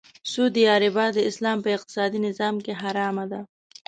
سود یا ربا د اسلام په اقتصادې نظام کې حرامه ده .